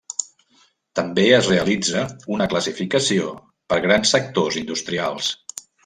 També es realitza una classificació per grans sectors industrials: